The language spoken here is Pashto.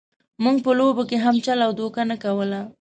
موږ په لوبو کې هم چل او دوکه نه کوله.